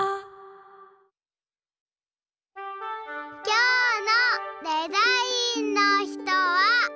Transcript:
きょうのデザインの人は。